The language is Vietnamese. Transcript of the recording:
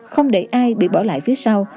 không để ai bị bỏ lại phía sau